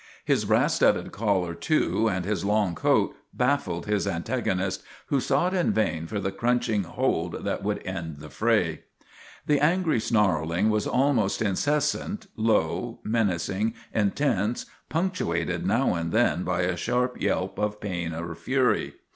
His brass studded collar, too, and his long coat bafBed his antagonist, who sought in vain for the crunching hold that would end the fray. The angry snarling was almost incessant, low, menacing, intense, punctuated now and then by a sharp yelp of pain or fury.